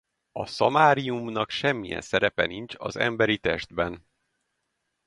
A szamáriumnak semmilyen szerepe nincs az emberi testben.